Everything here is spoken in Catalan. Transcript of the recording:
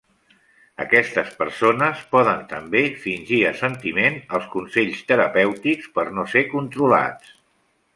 Aquestes persones poden també fingir assentiment als consells terapèutics per no ser controlats.